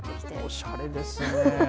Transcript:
おしゃれですね。